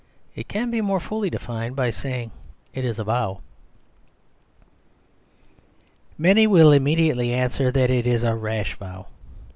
It can be more fully defined by saying it is a vow. Many will immediately answer that it is a rash vow.